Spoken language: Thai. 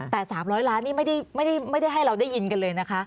แต่๓๐๐ล้านนี่ไม่ได้ให้เราได้ยินกันเลยนะคะ